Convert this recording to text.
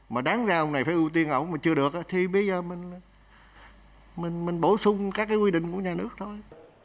mà đáng ra ông này phải ưu tiên ổng mà chưa được thì bây giờ mình bổ sung các quy định của nhà nước thôi